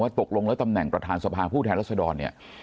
ตกลงแล้วตำแหน่งประธานสภาผู้แทนรัศดรเนี่ย